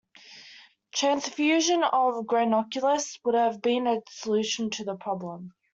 Transfusion of granulocytes would have been a solution to the problem.